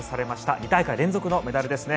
２大会連続のメダルですね。